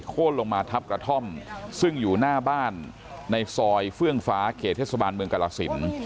ลงมาทับกระท่อมซึ่งอยู่หน้าบ้านในซอยเฟื่องฟ้าเขตเทศบาลเมืองกรสิน